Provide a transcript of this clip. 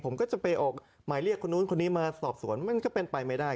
ผมก็จะไปออกหมายเรียกคนนู้นคนนี้มาสอบสวนมันก็เป็นไปไม่ได้